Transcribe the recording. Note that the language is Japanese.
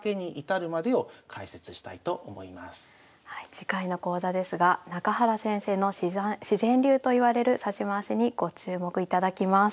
次回の講座ですが中原先生の自然流といわれる指し回しにご注目いただきます。